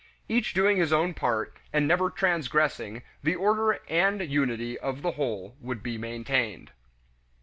Each doing his own part, and never transgressing, the order and unity of the whole would be maintained.